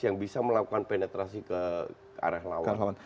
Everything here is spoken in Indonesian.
yang bisa melakukan penetrasi ke arah lawan